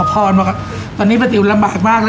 เค้าขอพรบอกว่าตอนนี้ประติ๋วลำบากมากเลย